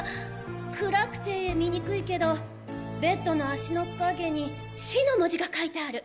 暗くて見にくいけどベッドの足の陰に「し」の文字が書いてある。